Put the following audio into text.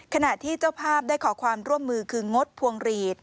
ขณะที่เจ้าภาพได้ขอความร่วมมือคืองดพวงหลีด